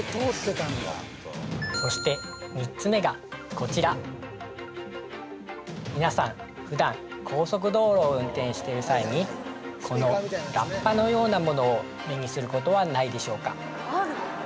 そして３つめがこちらみなさん普段高速道路を運転している際にこのラッパのようなものを目にすることはないでしょうか？